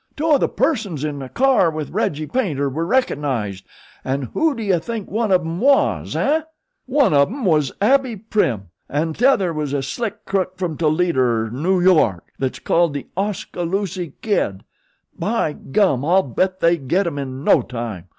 "Two of the persons in the car with Reggie Paynter were recognized, an' who do you think one of 'em was, eh? Why one of 'em was Abbie Prim an' tother was a slick crook from Toledo er Noo York that's called The Oskaloosie Kid. By gum, I'll bet they get 'em in no time.